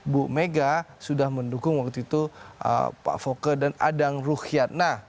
bu mega sudah mendukung waktu itu pak foke dan adang ruhyat